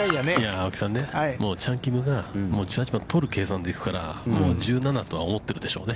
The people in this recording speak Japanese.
◆青木さんね、もうチャン・キムが１８番を取る計算で行くから、もう１７とは思ってるでしょうね。